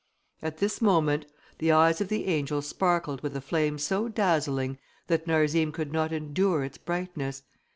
At this moment the eyes of the angel sparkled with a flame so dazzling, that Narzim could not endure its brightness.